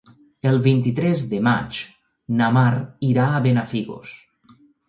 El vint-i-tres de maig na Mar irà a Benafigos.